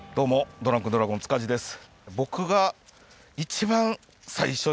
ドランクドラゴン塚地です。